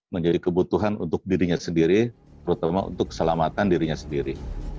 menjadi kebutuhan untuk dirinya sendiri terutama untuk keselamatan dirinya sendiri